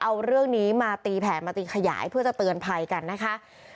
เอาเรื่องนี้มาตีแผนมาตีขยายเพื่อจะเตือนภัยกันนะคะ